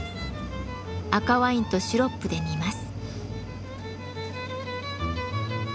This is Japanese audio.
赤ワインとシロップで煮ます。